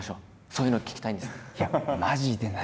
そういうのを聞きたいんです。